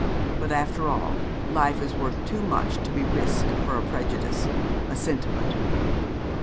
But, after all, life is worth too much to be risked for a prejudice, a sentiment.